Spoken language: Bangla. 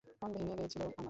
মন ভেঙে গিয়েছিল আমার।